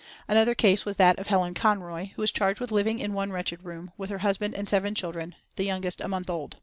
Another case was that of Helen Conroy, who was charged with living in one wretched room, with her husband and seven children, the youngest a month old.